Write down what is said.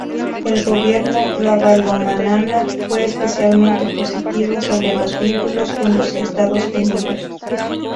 El gobierno Ravalomanana fue especialmente positivo sobre los vínculos con los Estados Unidos.